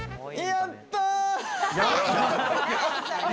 やった！